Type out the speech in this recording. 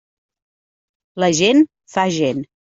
La gent fa gent.